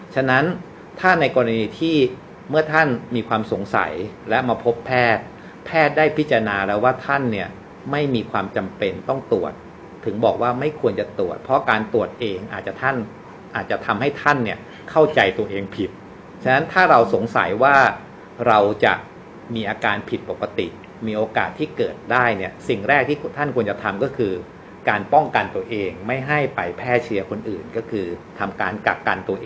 ฉะนั้นถ้าในกรณีที่เมื่อท่านมีความสงสัยและมาพบแพทย์แพทย์ได้พิจารณาแล้วว่าท่านเนี่ยไม่มีความจำเป็นต้องตรวจถึงบอกว่าไม่ควรจะตรวจเพราะการตรวจเองอาจจะท่านอาจจะทำให้ท่านเนี่ยเข้าใจตัวเองผิดฉะนั้นถ้าเราสงสัยว่าเราจะมีอาการผิดปกติมีโอกาสที่เกิดได้เนี่ยสิ่งแรกที่ท่านควร